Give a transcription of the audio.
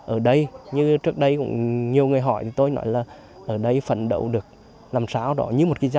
ở đây như trước đây cũng nhiều người hỏi tôi nói là ở đây phận đấu được làm sao đó như một cái gia đình